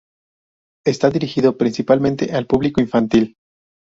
Está dirigido principalmente al público infantil.